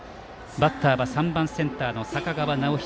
バッターは３番センターの坂川尚仁。